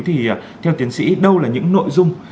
thì theo tiến sĩ đâu là những nội dung